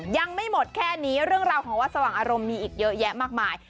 ยังไม่หมดแค่นี้เรื่องราวของวัดสว่างอารมณ์มีอีกเยอะแยะมากมาย